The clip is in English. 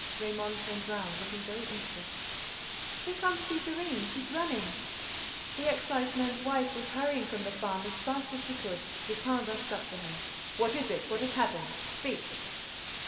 Raymonde turned round, looking very anxious. "Here comes Césarine. She's running." The exciseman's wife was hurrying from the farm as fast as she could. Lupin rushed up to her: "What is it? What has happened? Speak!"